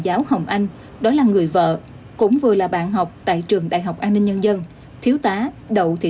giáo hồng anh đó là người vợ cũng vừa là bạn học tại trường đại học an ninh nhân dân thiếu tá đậu thị